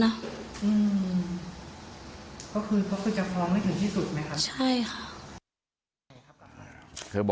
เพราะคือจะฟ้องได้ถึงที่สุดไหมครับ